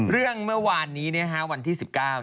เรื่องเมื่อวานนี้นะครับ